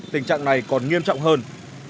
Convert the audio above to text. tình trạng này còn nghiêm trọng hơn